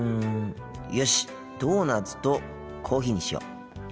よしっドーナツとコーヒーにしよう。